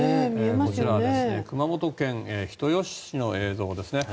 こちらは熊本県人吉市の映像ですね。